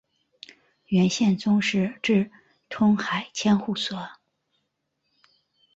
元宪宗时置通海千户所。